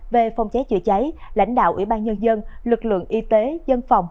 về phòng cháy chữa cháy lãnh đạo ủy ban nhân dân lực lượng y tế dân phòng